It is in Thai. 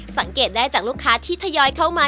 สังเกตได้จากลูกค้าที่ทยอยเข้ามา